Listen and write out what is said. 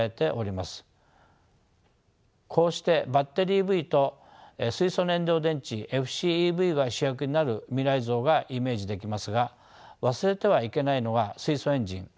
こうしてバッテリーＥＶと水素燃料電池ＦＣＥＶが主役になる未来像がイメージできますが忘れてはいけないのが水素エンジン